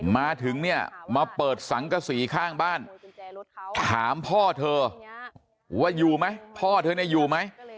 มาถึงเนี่ยมาเปิดสังกษีข้างบ้านถามพ่อเธอว่าอยู่ไหมพ่อเธอเนี่ยอยู่ไหม